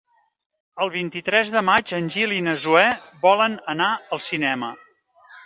El vint-i-tres de maig en Gil i na Zoè volen anar al cinema.